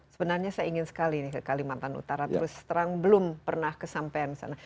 sebenarnya saya ingin sekali nih ke kalimantan utara terus terang belum pernah kesampean sana